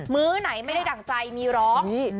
ื้อไหนไม่ได้ดั่งใจมีร้อง